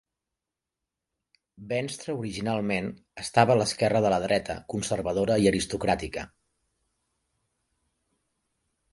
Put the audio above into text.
Venstre originalment estava a l'esquerra de la dreta conservadora i aristocràtica.